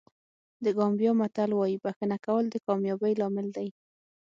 د ګامبیا متل وایي بښنه کول د کامیابۍ لامل دی.